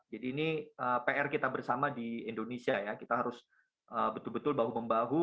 jadi ini pr kita bersama di indonesia ya kita harus betul betul bahu membahu